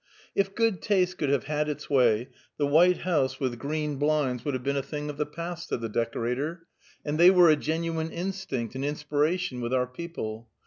"If 'good taste' could have had its way, the white house with green blinds would have been a thing of the past." said the decorator. "And they were a genuine instinct, an inspiration, with our people.